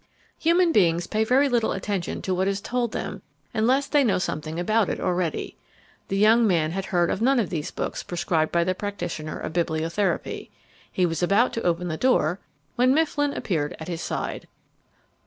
Human beings pay very little attention to what is told them unless they know something about it already. The young man had heard of none of these books prescribed by the practitioner of bibliotherapy. He was about to open the door when Mifflin appeared at his side.